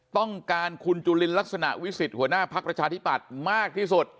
ต้องการคุณจุลินลักษณะวิสิทธิหัวหน้าภักดิ์ประชาธิปัตย์มากที่สุด